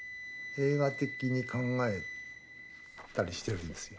映画的に考えたりしてるんですよ。